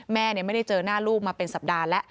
แม่ไม่ได้เจอหน้าลูกมาเป็นสัปดาห์แล้ว